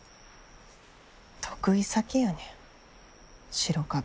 得意先やねん白壁。